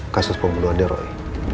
kasus pembunuhan deroi